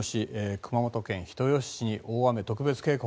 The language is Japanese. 熊本県人吉市に大雨特別警報。